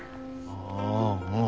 あぁうん。